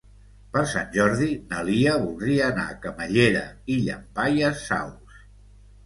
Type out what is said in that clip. Per Sant Jordi na Lia voldria anar a Camallera i Llampaies Saus.